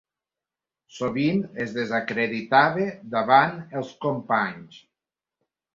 Sovint es desacreditava davant els companys.